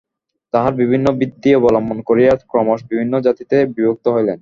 তাঁহারা বিভিন্ন বৃত্তি অবলম্বন করিয়া ক্রমশ বিভিন্ন জাতিতে বিভক্ত হইলেন।